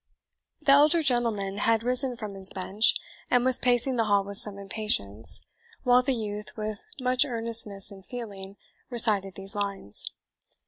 The elder gentleman had risen from his bench, and was pacing the hall with some impatience, while the youth, with much earnestness and feeling, recited these lines.